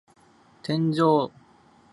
天上天下唯我独尊